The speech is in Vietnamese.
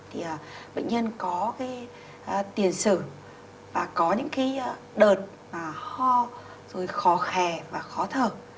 thì bệnh nhân có tiền sử và có những đợt ho khó khè và khó thở